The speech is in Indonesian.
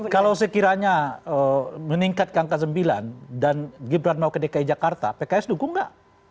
kalau sekiranya meningkat ke angka sembilan dan gibran mau ke dki jakarta pks dukung nggak